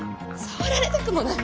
触られたくもない！